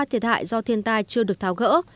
thiệt hại do thiên tai chưa được tháo gỡ